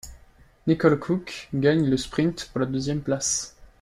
Nicole Cooke gagne le sprint pour la deuxième place.